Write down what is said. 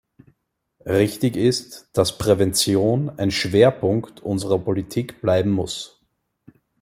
Richtig ist, dass Prävention ein Schwerpunkt unserer Politik bleiben muss.